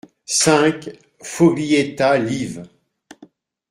cinq Foglietta, liv.